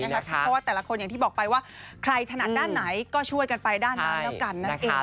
เพราะว่าแต่ละคนอย่างที่บอกไปว่าใครถนัดด้านไหนก็ช่วยกันไปด้านนั้นแล้วกันนั่นเอง